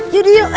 yaudah yuk ayo